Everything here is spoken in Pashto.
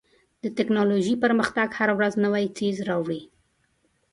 د ټکنالوژۍ پرمختګ هره ورځ نوی څیز راوړي.